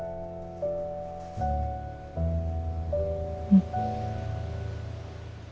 うん。